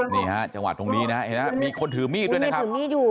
นี่ฮะจังหวัดตรงนี้นะฮะมีคนถือมีดด้วยนะครับ